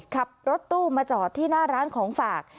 ขับรถตู้มาจอดที่หน้าร้านของฝาก